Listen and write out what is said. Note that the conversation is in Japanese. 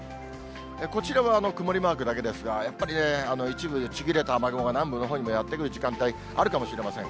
こちらは曇りマークだけですが、やっぱりね、一部ちぎれた雨雲が南部のほうにやって来る時間帯、あるかもしれません。